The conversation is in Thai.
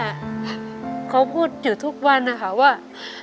คุณแม่ค้าพูดอยู่ทุกวันอะค่ะว่า